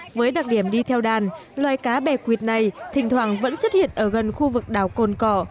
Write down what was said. với đặc điểm đi theo đàn loài cá bè quyệt này thỉnh thoảng vẫn xuất hiện ở gần khu vực đảo cồn cỏ